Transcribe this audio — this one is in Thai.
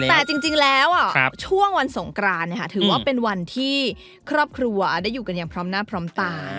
แต่จริงแล้วช่วงวันสงกรานถือว่าเป็นวันที่ครอบครัวได้อยู่กันอย่างพร้อมหน้าพร้อมตา